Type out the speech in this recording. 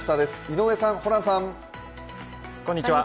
井上さん、ホランさん。